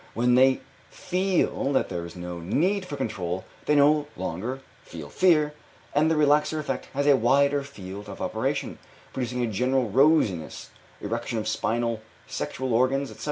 When they feel that there is no need for control, they no longer feel fear, and the relaxor effect has a wider field of operation, producing a general rosiness, erection of spinal sexual organs, etc.